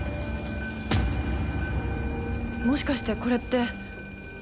もしかしてこれって。